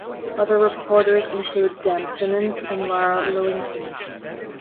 Other reporters include Dan Simmons and Lara Lewington.